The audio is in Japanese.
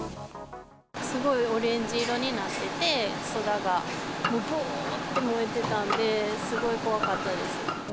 すごいオレンジ色になってて、空が、もうぶおーっと燃えてたんで、すごい怖かったです。